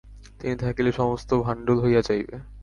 তিনি থাকিলে সমস্ত ভণ্ডুল হইয়া যাইবে।